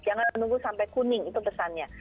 jangan menunggu sampai kuning itu pesannya